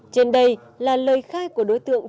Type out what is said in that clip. trên đây là lời khai của đối tượng